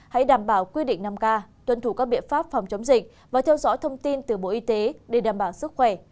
hãy đảm bảo quy định năm k tuân thủ các biện pháp phòng chống dịch và theo dõi thông tin từ bộ y tế để đảm bảo sức khỏe